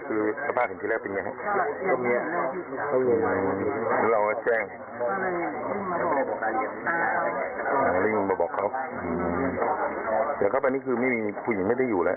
อืออืมอืม